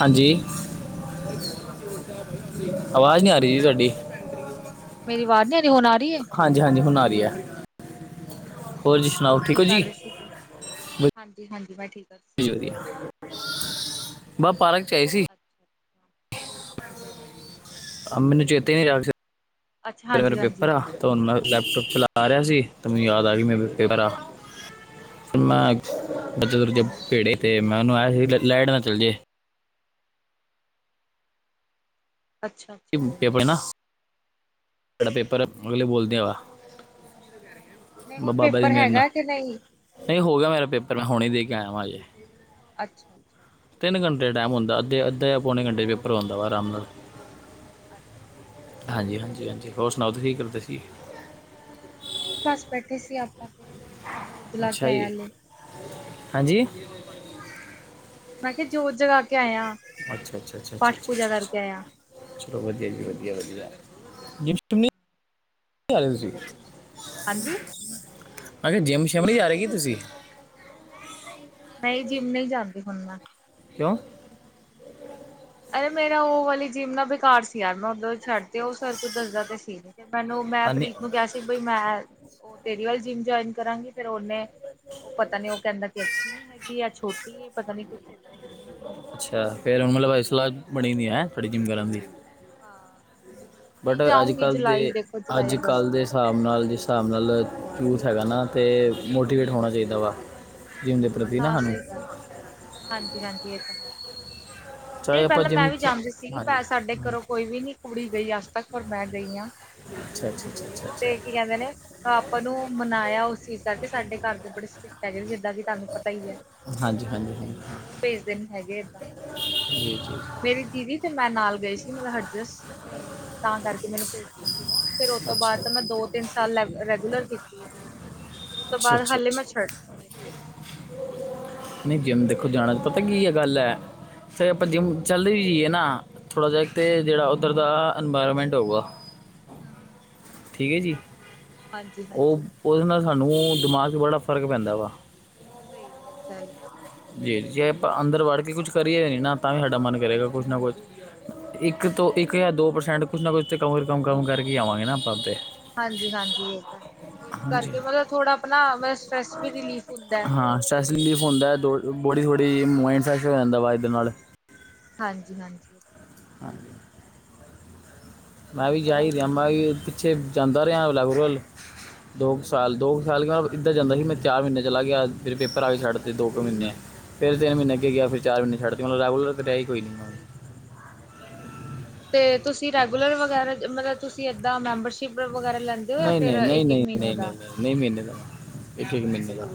ਹਾਂਜੀ। ਹਾਂਜੀ ਸਤਿ ਸ਼੍ਰੀ ਅਕਾਲ ਜੀ। ਅਵਾਜ਼ ਨਹੀਂ ਆ ਰਹੀ ਜੀ ਤੁਹਾਡੀ, ਮੇਰੀ ਆਵਾਜ਼ ਨੀ ਆ ਰਹੀ ਹੁਣ ਆ ਰਹੀ ਏ। ਹਾਂਜੀ -ਹਾਂਜੀ ਹੁਣ ਆ ਰਹੀ ਹੈ। [inaudible] ਹੋਰ ਠੀਕ ਕੀ ਹੋ ਕਰ ਜੀ ਰਹੇ ਸੀਗੇ। ਵਧੀਆ ਹਾਂਜੀ- ਹਾਂਜੀ। ਬਾ ਠੀਕ ਆ। ਤੁਸੀਂ ਦੱਸੋ? ਬ ਪਾਰਕ ਚਾਏ ਸੀ। ਅੱਛਾ ਅੱਛਾ ਅੱਛਾ ਮੈਨੂੰ ਚੇਤੇ ਨੀ ਜਾਗ ਫ ਅੱਛਾ ਮੇਰੇ ਹਾਂਜੀ ਪੇਪਰ ਹਾਂਜੀ। ਆ ਤਾਨੂੰ ਲੈਪਟੋਪ ਚਲਾ ਰਿਹਾ ਸੀ। ਤਾਂ ਮੈਨੂੰ ਯਾਦ ਆ ਗਈ। ਤੇ ਮੇਰੇ ਪੇਪਰ ਆ ਅੱਛਾ ਮਾਗ ਦਜੇ ਦੁਰਜੇ ਅੱਛਾ ਭੇੜੇ ਤੇ ਮੈਂ ਨਹਾ ਆਇਆ ਸੀ। ਲਾਈਟ ਨਾ ਚੱਲ ਜੇ ਅੱਛਾ ਅੱਛਾ ਪੇਪੜ ਨਾ [unintelligible] ਬੜਾ ਪੇਪਰ ਹੈ। ਅਗਲੇ ਬੋਲਦੇ ਵ ਨਹੀਂ ਹੁਣ ਬਾਬਾ ਦੀ ਪੇਪਰ ਮੇਰੇ ਨਾਲ, ਹੈਗਾ ਕਿ ਨਹੀਂ। ਨਹੀਂ ਹੋ ਗਿਆ। ਮੈਂ ਪੇਪਰ ਮੈਂ ਹੁਣੇ ਦੇ ਕੇ ਆਇ ਵਾਂ ਹਜੇ। ਅੱਛਾ -ਅੱਛਾ ਪੌਨ ਘੰਟੇ ਦਾ ਟਾਈਮ ਹੰਦਾ ਅਧ- ਅੱਧ ਜਾਂ ਪੌਣੇ ਘੰਟੇ ਦੇ ਪੇਪਰ ਆਂ ਆਰਾਮ ਨਾਲ ਅੱਛਾ- ਅੱਛਾ। ਕੀ ਹੋਰ ਸੁਣਾਓ, ਤੁਸੀਂ ਕੀ ਕਰਦੇ ਸੀ। ਕੁਛ ਨੀ ਬਸ ਬੈਠੇ ਸੀ। ਆਪਾਂ ਤੇ ਦਜਲਾਗ ਅੱਛਾ ਆੇ ਜੀ [unintelligible] ਮੈਂ ਕਿਹਾ, ਜੋਤ ਜਗਾ ਕੇ ਆਇਆ। ਅੱਛਾ- ਅੱਛਾ- ਅੱਛਾ - ਪਾਠ ਪੂਜਾ ਕਰਕੇ ਅ ਆਇਆ। ਚਲੋ ਵਧੀਆ ਜੀ, ਵਧੀਆ- ਵਧੀਆ [unintelligible] ਗਿਸੀ ਹਾਂਜੀ। ਹਾਂਜੀ। ਜਿੰਮ- ਸ਼ਿਮ ਨਹੀਂ ਜਾ ਰਹੇ ਕੀ ਤੁਸੀਂ? ਨਹੀਂ, ਜਿਮ ਨਹੀਂ ਜਾਂਦੀ। ਹੁਣ ਮੈਂ ਕਿਉਂ? ਯ ਮੇਰਾ ਉਹ ਵਾਲੀ ਜਿੰਮ ਨਾਲ ਬੇਕਾਰ ਸੀ। ਯਾਰ ਮੈਂ ਉਧਰ ਛੱਡ ਤੇ ਉਹ ਸਰ ਕੁੱਝ ਦੱਸਦਾ ਤੇ ਸੀ। ਨ ਫਿਰ ਮੈਨੂੰ ਮੈਂ ਹਾਂਜੀ ਪ੍ਰੀਤ ਨੂੰ ਕਿਹਾ ਸੀ। ਬਈ ਮੈਂ ਉਹ ਤੇਰੀ ਵੱਲ ਜਿੰਮ ਜੁਆਇਨ ਕਰਾਂਗੇ ਉਹਨੇ, ਉਹ ਪਤਾ ਨੀ ਉਹ ਕਹਿੰਦਾ ਕਿ ਅੱਛੀ ਨੀ ਹੈਗੀ ਆ ਛੋਟੀ ਹੈ। ਪਤਾ ਨੀ ਕੁਛ ਏਦਾਂ ਹੀ ਸੀਗਾ। ਬਣੀਦੀਆਂ ਸਾਡੀੇ ਜਿੰਮ ਕਰਨ ਦੀ ਹਾਂ ਹੂੰ ਨਹੀਂ ਬਟ ਅੱਜ ਜਾਊਂਗੀ ਕੱਲ੍ਹ ਜੁਲਾਈ ਦੇ ਦੇਖੋ ਜੁਲਾਈ ਅੱਜ ਅਗਸਤ ਕੱਲ੍ਹ ਦੇ ਹਿਸਾਬ ਨਾਲ ਜਿਸ ਹਿਸਾਬ ਨਾਲੂ ਹੈਗਾ ਨਾ ਅਤੇ ਮੋਟੀਵੇਟ ਹੋਣਾ ਚਾਹੀਦਾ ਵਾ ਜਿਮ ਦੇ ਪ੍ਰਤੀ ਨਾ ਹਾਂ ਸਾਨੂੰ ਸਹੀ ਗੱਲ ਹੈ ਹਾਂਜੀ ਹਾਂਜੀ ਹ ਚਾਹੇ ਨਹੀਂ ਆਪਾਂ ਪਹਿਲਾਂ ਜਿਮ ਮੈਂ ਵੀ ਚ ਜਾਂਦੀ ਸੀ ਹਾਂਜੀ ਸਾਡੇ ਹਾਂਜੀ। ਘਰੋਂ ਕੋਈ ਵੀ ਨੀ ਕੁੜੀ ਗਈ ਅੱਜ ਤੱਕ ਪਰ ਮੈਂ ਗਈ ਹਾਂ ਅੱਛਾ ਅੱਛਾ ਅੱਛਾ ਅੱਛਾ ਤੇ ਕੀ ਕਹਿੰਦੇ ਨੇ ਆਪਪ ਨੂੰ ਮਨਾਇਆ ਉਸ ਚੀਜ਼ ਕਰਕੇ ਸਾਡੇ ਘਰ ਦੇ ਬੜੇ ਸਿਕਟ ਹੈਗੇ ਜਿੱਦਾਂ ਕਿ ਤੁਹਾਨੂੰ ਪਤਾ ਹੀ ਹੈਾ ਅੱਛਾ ਹਾਂਜੀ ਹਾਂਜੀ ਤੇ ਹਾਂਜੀ ਉਹ ਭੇਜਦੇ ਨੀ ਹੈਗੇ ਏਦਾਂ ਜੀ ਤੇ ਜੀ ਮੇਰੀ ਦੀਦੀ ਤੇ ਮੈਂ ਨਾਲ ਗਈ ਸੀ ਮਤਲਬ ਹਰਜਸ ਤੇ ਤਾਂ ਕਰਕੇ ਮੈਨੂੰ ਭੇਜਤਾ ਸੀ ਫੇਿਰ ਉਹ ਤੋਂ ਅੱਛਾ ਬਾਅਦ ਮੈਂ ਅੱਛਾ ਦੋ ਤਿੰਨ ਸਾਲ ਰੈਗੂਲਰ ਕੀਤੀ ਹੈ ਜਿੰਮ ਉਹ ਤੋਂ ਅੱਛਾ ਬਾਅਦ ਹਾਲੇ ਅੱਛਾ ਮੈਂ ਛੱਡ ਅ ਨਹੀਂ ਜਿੰਮ ਦੇਖੋ ਜਾਣਾ ਪਤਾ ਕੀ ਹੈ ਗੱਲ ਹੈ ਫਿਰ ਆਪਾਂ ਜਿੰਮ ਚੱਲਦੇ ਵੀ ਜਾਈਏ ਨਾ ਥੋੜ੍ਹਾ ਜਾਗਤ ਹਮ ਜਿਹੜਾ ਉੱਧਰ ਦਾ ਇਨਵਾਇਰਮੈਂਟ ਹੋਊਗਾ ਹਮ ਹਮ ਹਮ ਠੀਕ ਹੈ ਜੀ ਉਹ ਉਹਦੇ ਨਾਲ ਸਾਨੂੰ ਦਿਮਾਗ ਚ ਬੜਾ ਫਰਕ ਪੈਂਦਾ ਵਾ ਸਹੀ ਗੱਲ ਸਹੀ ਗੱਲ ਜੀ ਜੇ ਆਪਾਂ ਅੰਦਰ ਵੜ ਕੇ ਕੁਛ ਕਰੀਏ ਨਹੀਂ ਨਾ ਤਾਂ ਵੀ ਸਾਡਾ ਮਨ ਕਰੇਗਾ ਕੁਛ ਨਾ ਕੁਛ ਇੱਕ ਤੋਂ ਇੱਕ ਜਾਂ ਦੋ ਪ੍ਰਸੈਂਟ ਕੁਛ ਨਾ ਕੁਛ ਤਾਂ ਕਮ ਰਕਮ ਕਮ ਕਰਕੇ ਹੀ ਆਵਾਂਗੇ ਨਾ ਆਪਾਂ ਉਤੇ ਹਾਂਜੀ ਹਾਂਜੀ ਇਹ ਤਾਂ ਹੈ ਜਿੰਮ ਹਾਂਜੀ ਕਰਕੇ ਮਤਲਬ ਥੋੜਾ ਆਪਣਾ ਮੈਂ ਹਾਂ ਸੈਸਲੀਫ ਹੁੰਦਾ ਹਾਂ ਬੋੜੀ ਹਾਂ ਥੋੜੀ ਮੰਟ ਫੈਸ਼ ਹੋ ਜਾਂਦਾ ਵਾ ਇਹਦੇ ਨਾਲ ਹਾਂਜੀ ਹਾਂਜੀ ਮੈਂ ਵੀ ਜਾਈ ਹੋਰ ਅਮ ਵੀ ਪਿੱਛੇ ਜਾਂਦਾ ਰਿਹਾ ਬਲੈਬ ਕੋਲ ਦੋ ਕੁ ਹਮ ਸਾਲ ਦੋ ਹਮ ਕੁ ਸਾਲ ਇੱਦਾਂ ਜਾਂਦਾ ਸੀ ਮੈਂ ਚਾਰ ਮਹੀਨੇ ਚਲਾ ਗਿਆ ਫਿਰ ਪੇਪਰਾਂ ਛੱਡਤੇ ਦੋ ਅੱਛਾ ਕੁ ਮਹੀਨੇ ਫਿਰ ਤਿੰਨ ਮਹੀਨੇੱ ਗਿਆ ਅੱਛਾ ਅੱਛਾ ਫਿਰ ਚਾਰ ਮਹੀਨੇ ਛੱਡਤੇ ਮਲ ਰਾਹੁਲ ਰ ਤਾਂ ਡਹੀ ਕੋਈ ਨ ਮ ਅਤੇ ਤੁਸੀਂ ਰੈਗੂਲਰ ਵਗੈਰਾ ਮਤਲਬ ਤੁਸੀਂ ਇੱਦਾਂ ਮੈਂਬਰਸ਼ਿਪ ਵਗੈਰਾ ਲੈਂਦੇ ਹੋ ਜਾਂ ਨਹੀਂ ਫਿਰ ਨਹੀਂ ਨਹੀਂ ਇੱਕ ਨਹੀਂ ਨਹੀਂ ਨਹੀਂ ਨਹੀਂ ਨਹੀਂ ਮਹੀਨੇ ਇੱਕ ਇੱਕ ਮਹੀਨੇ ਦਾ ਹ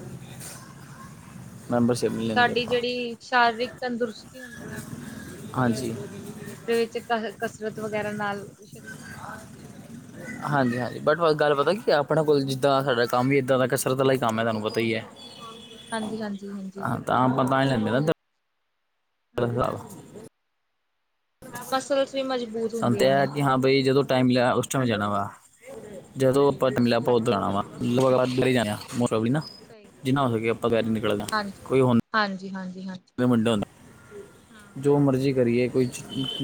ਹਾਂਜੀ ਮੈਂਬਰਸ਼ਿਪ ਨਹੀਂ ਤੇ ਲੈਂਦੇ ਸਾਡੀ ਆਪਾਂ ਜਿਹੜੀ ਸ਼ਾਰੀਰਿਕ ਤੰਦਰੁਸਤੀ ਹੁੰਦੀ ਹੈ ਹਾਂਜੀ ਹਾਂ ਜਿਸਦੇ ਵਿੱਚ ਕ ਕਸਰਤ ਵਗੈਰਾ ਨਾਲ ਸਰੀਰ ਮਜ਼ਬੂਤ ਹੁੰਦਾ ਹੈ ਹਾਂਜੀ ਹਾਂਜੀ ਬਟ ਗੱਲ ਪਤਾ ਕੀ ਹੈ ਆਪਣੇ ਕੋਲ ਜਿੱਦਾਂ ਸਾਡਾ ਕੰਮ ਹੀ ਇਏਦਾਂ ਦਾ ਕਸਰਤ ਵਾਲਾ ਹੀ ਕੰਮ ਹੈ ਤੁਹਾਨੂੰ ਪਤਾ ਹੀ ਹੈ ਹਾਂਜੀ ਹਾਂਜੀ ਹਾਂਜੀ ਪ ਮੇਦਾ ਹ ਮਸਲਸ ਵੀ ਮਜ਼ਬੂਤ ਸੁਣਤ ਹੁੰਦੀਆਂ ਹੈ ਨੇ ਕਿ ਹਾਂ ਬਈ ਜਦੋਂ ਟਾਈਮ ਲਿਆ ਉਸ ਟਾਈਮ ਜਾਣਾ ਵਾ ਜਦੋਂ ਪਤਲਾ ਪਤ ਅੱਛਾ ਜਾਣਾ ਵਾ ਅੱਛਾ ਅੱਛਾ ਜਾਣਾ ਬ ਅੱਛਾ [unintelligible] ਪ੍ਰਲੀ ਨਾ ਸਹੀ ਗੱਲ ਜਿੰਨਾ ਹੋ ਸਕੇ ਆਪਾਂ ਗੈਰ ਨਿਕਲਗਾ ਕੋਈ ਹੋਣ ਨਹੀਂ ੀ ਹਾਂਜੀ ਹਾਂਜੀ ਮਲੀਮੰਡਨ ਹਮ ਹਮ ਜੋ ਹਮ ਮਰਜ਼ੀ ਕਰੀਏ ਕੋਈ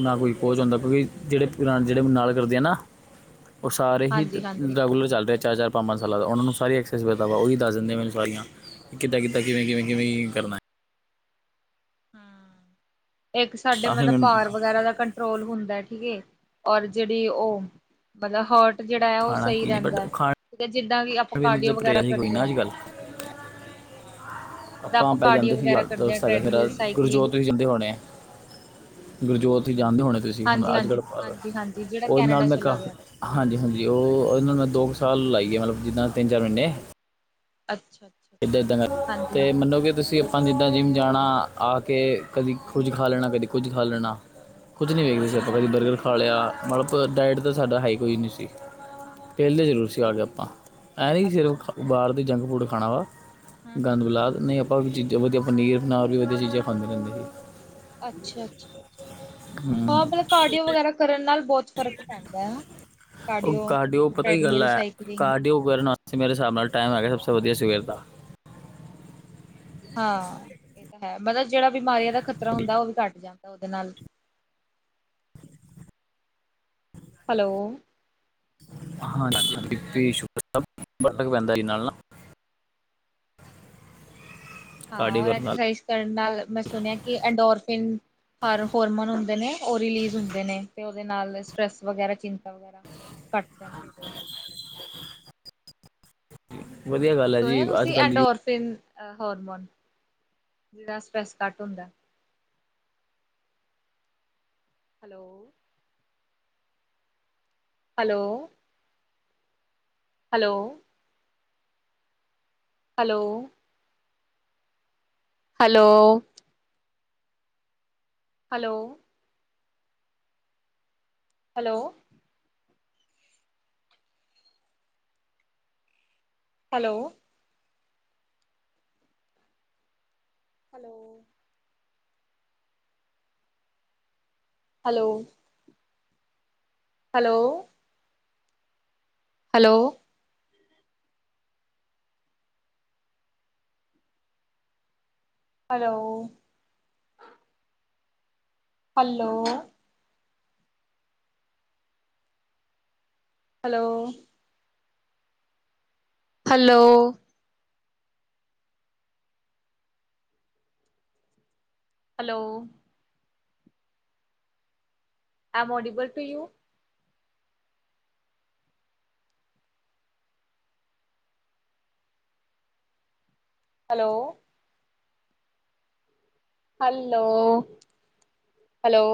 ਨਾ ਕੋਈ ਖੋਚ ਹੁੰਦਾ ਕਿਉਂਕਿ ਜਿਹੜੇ ਜਿਹੜੇ ਨਾਲ ਕਰਦੇ ਆ ਨਾ ਉਹ ਸਾਰੇ ਹੀ ਹਾਂਜੀ ਹਾਂਜੀ ਰੈਗੂਲਰ ਚੱਲ ਰਿਹਾ ਚਾਰ ਚਾਰ ਪੰਜ ਪੰਜ ਸਾਲਾਂ ਦਾ ਉਹਨਾਂ ਨੂੰ ਸਾਰੀ ਐਕਸੈਸ ਮਿਲਦਾ ਵਾਹੀ ਦੱਸਿੰਦੇ ਮੈਨੂੰ ਸਾਰ ਕਿੱਦਾਂ ਕਿਦਾਂ ਕਿਵੇਂ ਕਿਵੇਂ ਕਿਵੇਂ ਅੱਛਾ ਕਰਨਾ ਹੈ ਅੱਛਾ ਹਮ ਇੱਕ ਸਾਡੇ ਤਾਂ ਫਿਰ ਮਤਲਬ ਮੈਨੂੰ ਪਾਰ ਵਗੈਰਾ ਦਾ ਕੰਟਰੋਲ ਹੁੰਦਾ ਹੈ ਠੀਕ ਹੈ ਔਰ ਜਿਹੜੀ ਉਹ ਮਤਲਬ ਹੋਟ ਜਿਹੜਾ ਹੈ ਉਹ ਖਾਣਾ ਸਹੀ ਕੀ ਨਹੀਂ ਬਟ ਰਹਿੰਦਾ ਹੈ ਖਾਣ ਤੇ ਜਿੱਦਾਂ ਕਿ ਆਪਾਂ ਪੀਣ ਨੂੰ ਤਾਂ ਕਾਰਡੀਓ ਵਗੈਰਾ ਪ੍ਰੇਰਾ ਹੀ ਕੋਈ ਕਰਦੇ ਨਾ ਹਾਂ ਅੱਜ ਕੱਲ੍ਹ ਹਾਂ ਜਿੱਦਾਂ ਆਪਾਂ ਪਹਿਲੇ ਜਾਂਦੇ ਕਾਰਡੀਓ ਸੀ ਵਗੈਰਾ ਯਾਰ ਕਰਦੇ ਹਾਂ ਦੋਸਤ ਹੈਗਾ ਮੇਰਾ ਟ੍ਰੈਡਮਿਲ ਸਾਈਕਲਿੰਗ ਗੁਰਜੋਤ ਵੀ ਜਾਂਦੇ ਹੋਣੇ ਹੈੁਰ ਜੋਥ ਜਾਂਦੇ ਹੋਣੇ ਤੁਸੀਂ ਹੁਣ ਹਾਂਜੀ ਅੱਜ ਹਾਂਜੀ ਕੱਲ੍ਹ ਹਾਂਜੀ ਹਾਂਜੀ ਜਿਹੜਾ ਉਹਦੇ ਨਾਲ ਕੈਨੇਡਾ ਮੈਂ ਚਲਾ ਕਾਫ ਗਿਆ ਹਾਂਜੀ ਹਾਂਜੀ ਉਹ ਉਹਦੇ ਨਾਲ ਮੈਂ ਦੋ ਕੁ ਸਾਲ ਲਾਈ ਹੈਲੋ ਜਿੱਦਾਂ ਤਿੰਨ ਚਾਰ ਮਹੀਨੇ ਅੱਛਾ ਅੱਛਾ ਇੱਦਾਂ ਇੱਦਾਂ ਦਾ ਹਾਂਜੀ ਅਤੇ ਹਾਂਜੀ ਮੰਨੋ ਕਿ ਤੁਸੀਂ ਆਪਾਂ ਜਿੱਦਾਂ ਜਿੰਮ ਜਾਣਾ ਆ ਕੇ ਕਦੀ ਕੁਝ ਖਾ ਲੈਣਾ ਕਦੀ ਕੁਝ ਖਾ ਲੈਣਾ ਕੁਛ ਨਹੀਂ ਵੇਖਦੇ ਸੀ ਆਪਾਂ ਹਮ ਕਦੀ ਬਰ ਖਾ ਲਿਆ ਮਤਲਬ ਡਾਇਟ ਤਾਂ ਸਾਡਾ ਹਾਈ ਕੋਈ ਨਹੀਂੀ ਸੀ ਹਾਂ ਹਾਂ ਪਹਿਲੇਲੇ ਹਾਂ ਜ਼ਰੂਰ ਸੀ ਆ ਗ ਆਪਾਂ ਐ ਨ ਅੱਛਾ ਸਿਰਫ ਅੱਛਾ ਬਾਹਰ ਦੀ ਜੰਕ ਫੂਡ ਖਣਾ ਵ ਹਮ ਹਮ ਗੰਦ ਹਮ ਬੁਲਾ ਨਹੀਂ ਆਪਾਂ ਅਤੇ ਵਧੀਆ ਪਨੀਰ ਫਨਰ ਵੀ ਵਧੀਆ ਚੀਜ਼ਾਂ ਖਾਂਦੀਦੇ ਰਹਿੰਦੇ ਸੀ ਅੱਛਾ ਅੱਛਾ ਅੱਾ ਹੂੰ ਹਾਂ ਮਤਲਬ ਕਾਰਡੀਓ ਵਗੈਰਾ ਕਰਨ ਨਾਲ ਬਹੁਤ ਫ਼ਰਕ ਪੈਂਦਾ ਹੈ ਉਹ ਕਾਰਡੀਓ ਪਤਾ ਹੀ ਗੱਲ ਟ੍ਰੈਡਮਿਲ ਹੈ ਸਾਈਕਲਿੰਗ ਕਾਰਡੀਓ ਸੀ ਮੇਰੇ ਹਿਸਾਬ ਨਾਲ ਟਾਈਮ ਹੈਗਾ ਸ ਤਾਂ ਵਧੀਆ ਸਵੇਰ ਦਾ ਹਾਂ ਇਹ ਤਾਂ ਹੈ ਮਤਲਬ ਜਿਹੜਾ ਬਿਮਾਰੀਆਂ ਦਾ ਖ਼ਤਰਾ ਹੁੰਦਾ ਉਹ ਵੀ ਘੱਟ ਜਾਂਦਾ ਉਹਦੇ ਨਾਲ ਹੈਲੋ ਹਾਂੀੀ ਸ਼ ਸ ਬੜ ਪੈਂਦਾ ਜੀ ਨਾਲ ਨਾ ਕਾਰਡੀਓ ਹਾਂਰ ਕਰਨ ਨਾਲ ਐਕਸਰਸਾਈਜ਼ ਕਰਨ ਨਾਲ ਮੈਂ ਸੁਣਿਆ ਕਿ ਅਡੋਰਫਿਨ ਹੋਰਮੋਨ ਨੇ ਉਹ ਰਿਲੀਜ਼ ਹੁੰਦੇ ਨੇ ਤੇ ਉਹਦੇ ਨਾਲ ਸਟਰ੍ਰੈਸ ਵਗੈਰਾ ਚਿੰਤਾ ਵਗੈਰਾ ਘੱਟ ਜਾਂਦੀ ਉਹਦੇ ਨਾਲ ਵਧੀਆ ਗੱਲ ਹੈ ਜੀ ਸੁਣਿਆ ਅੱਜ ਤੁਸੀਂ ਕੱਲ੍ਹ ਯ ਐਂਡੋਰਫਿਨ ਹੋਰਮੋਨ [unintelligible] ਸਟਾਰਟ ਹੁੰਦਾ। Hello. Hello. Hello. Hello. Hello. Hello. Hello. Hello. Hello. Hello. Hello. Hello. Hello. Hello. Hello. Hello. Hello.,, M ਐਮਮੋਡੀਬਲ to you. Hello. Hello hello.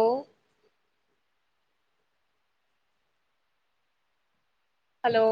Hello.